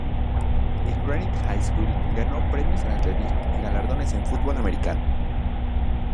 En Granite High School ganó premios en atletismo y galardones en fútbol americano.